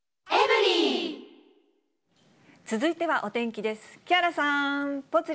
続いてはお天気です。